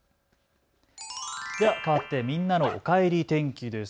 かわってみんなのおかえり天気です。